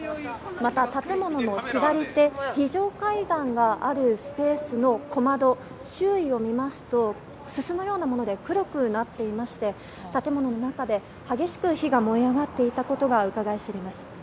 また、建物の左手非常階段があるスペースの小窓、周囲を見ますとすすのようなもので黒くなっていまして建物の中で激しく火が燃え上がっていたことがうかがい知れます。